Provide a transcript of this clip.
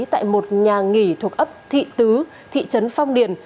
tại một nhà nghỉ thuộc ấp thị tứ thị trấn phong điền